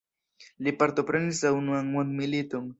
Li partoprenis la unuan mondmiliton.